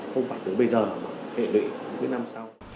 không phải từ bây giờ mà hệ định những năm sau